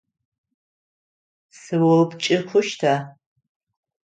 Сыоупчӏы хъущта?